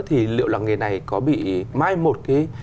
thì liệu làng nghề này có bị mai một cái